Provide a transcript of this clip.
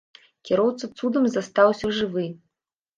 Кіроўца цудам застаўся жывы.